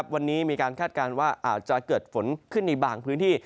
วันนี้มีการคาดการณ์ว่าอาจจะเกิดฝนขึ้นในบางพื้นที่